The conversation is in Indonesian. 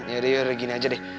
ya udah gini aja deh